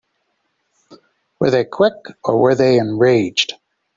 Were they quick or were they enraged?